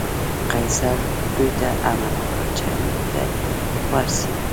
قیصر دوی ته امر وکړ چې امیر ته ورسي.